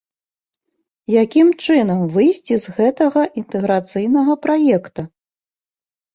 Якім чынам выйсці з гэтага інтэграцыйнага праекта?